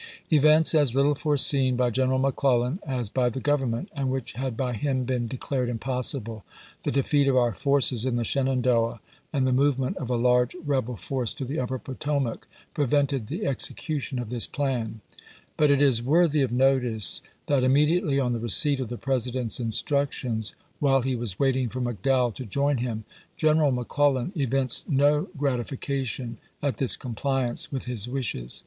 Events as little foreseen by General McClellan as by the Government, and which had by him been declared impossible, — the defeat of our forces in the Shenandoah and the movement of a large rebel force to the upper Potomac, — prevented the ex ecution of this plan. But it is worthy of notice that immediately on the receipt of the President's instructions, while he was waiting for McDowell to join him, General McClellan evinced no gratifica w. R. Vol. XI., Part I., p. 27. 3S4 ABRAHAM LINCOLN Chap. XXI. tion at tMs compHance with his wishes.